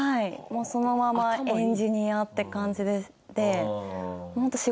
もうそのままエンジニアって感じです。